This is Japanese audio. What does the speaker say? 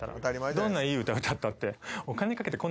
どんないい歌歌ったって。